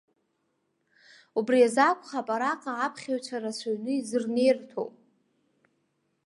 Убри азы акәхап араҟа аԥхьаҩцәа рацәаҩны изырнеирҭоу.